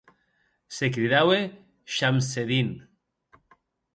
Se cridaue Schamseddin.